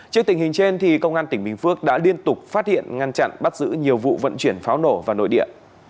trước tình hình trên công an tỉnh bình phước đã liên tục phát hiện ngăn chặn bắt giữ nhiều vụ vận chuyển pháo nổ vào nội địa